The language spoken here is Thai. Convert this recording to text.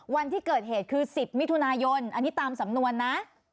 วันที่เกิดเหตุคือ๑๐มิถุนายนอันนี้ตามสำนวนนะ